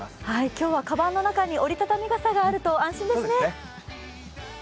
今日はかばんの中に折り畳み傘があると安心ですね。